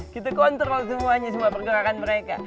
kita kontrol semuanya semua pergerakan mereka